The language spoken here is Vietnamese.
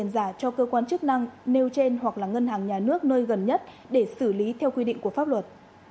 giả cho cơ quan chức năng nêu trên hoặc là ngân hàng nhà nước nơi gần nhất để xử lý theo quy định của pháp luật